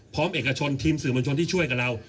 เอกชนทีมสื่อมวลชนที่ช่วยกับเรา